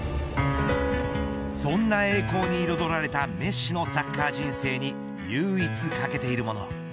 そんな栄光に彩られたメッシのサッカー人生に唯一欠けているもの。